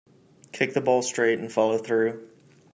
Kick the ball straight and follow through.